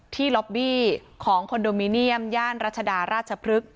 ล็อบบี้ของคอนโดมิเนียมย่านรัชดาราชพฤกษ